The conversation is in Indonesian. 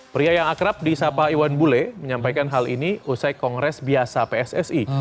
pria yang akrab di sapa iwan bule menyampaikan hal ini usai kongres biasa pssi